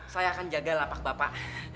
saya akan jaga lapak bapak